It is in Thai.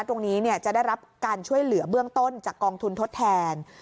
ตรงนี้จะได้รับการช่วยเหลือเบื้องต้นจากกองทุนทดแทน